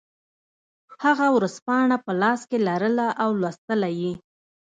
هغه ورځپاڼه په لاس کې لرله او لوستله یې